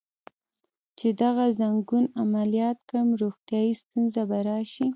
چې دغه ځنګون عملیات کړم، روغتیایی ستونزه به راشي.